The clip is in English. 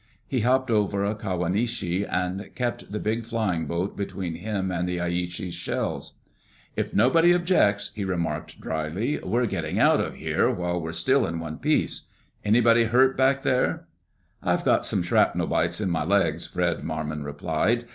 He hopped over a Kawanishi and kept the big flying boat between him and the Aichi's shells. "If nobody objects," he remarked drily, "we're getting out of here while we're still in one piece.... Anybody hurt back there?" "I've got some shrapnel bites in my legs," Fred Marmon replied.